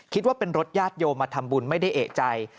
คิดว่าเป็นรถญาติโยมมาทำบุญไม่ได้เอกใจ